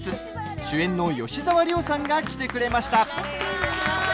主演の吉沢亮さんが来てくれました。